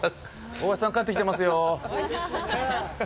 大橋さん、帰ってきてますよー。